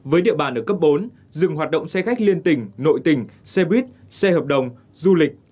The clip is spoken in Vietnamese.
với địa bàn ở cấp bốn dừng hoạt động xe khách liên tỉnh nội tỉnh xe buýt xe hợp đồng du lịch